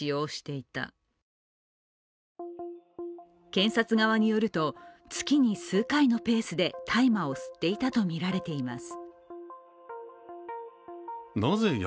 検察側によると、月に数回のペースで大麻を吸っていたとみられています。